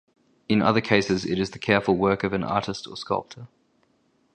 In other cases it is the careful work of an artist or sculptor.